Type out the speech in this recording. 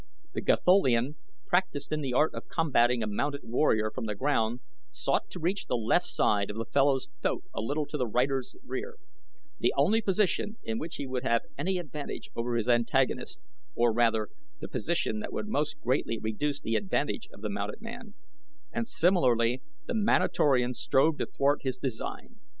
The Gatholian, practiced in the art of combating a mounted warrior from the ground, sought to reach the left side of the fellow's thoat a little to the rider's rear, the only position in which he would have any advantage over his antagonist, or rather the position that would most greatly reduce the advantage of the mounted man, and, similarly, the Manatorian strove to thwart his design.